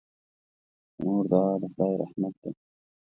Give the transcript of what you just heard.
د مور دعا د خدای رحمت دی.